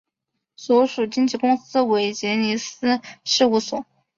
所属经纪公司为杰尼斯事务所。